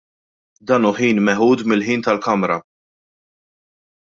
Dan hu ħin meħud mill-ħin tal-Kamra.